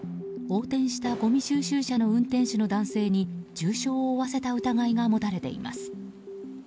横転したごみ収集車の運転手の男性に重傷を負わせた疑いが持たれています。